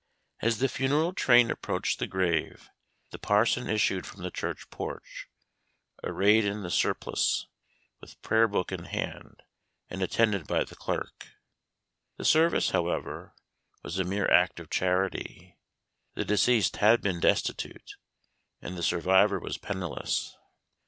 As the funeral train approached the grave, the parson issued from the church porch, arrayed in the surplice, with prayer book in hand, and attended by the clerk. The service, however, was a mere act of charity. The deceased had been destitute, and the survivor was penniless.